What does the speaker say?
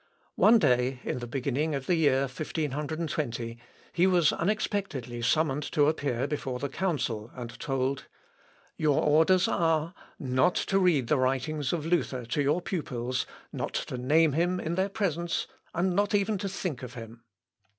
One day, in the beginning of the year 1520, he was unexpectedly summoned to appear before the council, and told, "Your orders are, not to read the writings of Luther to your pupils, not to name him in their presence, and not even to think of him."